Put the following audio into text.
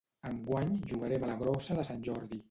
Enguany jugarem a la grossa de Sant Jordi